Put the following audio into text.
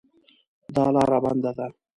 دا لار بنده ده